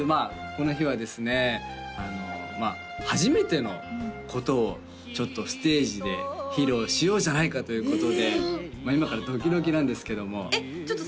この日はですね初めてのことをちょっとステージで披露しようじゃないかということで今からドキドキなんですけどもえっ？